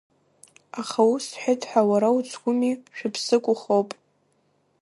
Аха ус сҳәеит ҳәа, уара уцгәыми, шәыԥсык ухоуп.